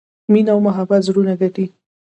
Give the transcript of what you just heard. مینه او محبت زړونه ګټي.